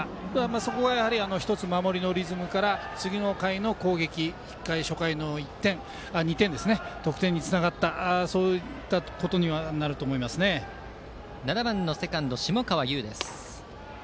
そこが１つ守りのリズムから次の回の攻撃、初回の２点の得点につながったことになるとバッターは７番セカンド、下川優です。